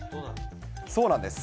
そうなんです。